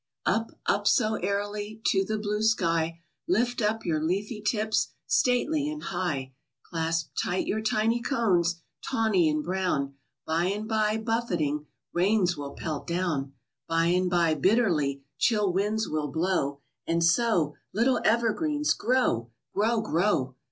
Up, up so airily To the blue sky, Lift up your leafy tips Stately and high; Clasp tight your tiny cones, Tawny and brown; By and by, buffeting Rains will pelt down; By and by, bitterly Chill winds will blow; And so, Little evergreens, grow! Grow, grow!